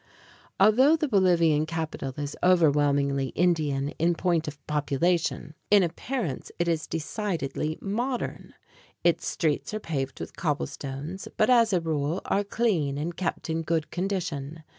Although the Bolivian capital is overwhelmingly Indian in point of population, in appearance it is decidedly modern. Its streets are paved with cobblestones, but as a rule are clean and kept in good condition.